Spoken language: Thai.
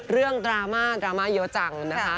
เรื่องดราม่าดราม่าเยอะจังนะคะ